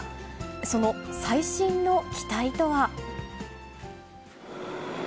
その最新の機体とは。